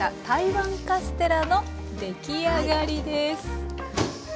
台湾カステラの出来上がりです。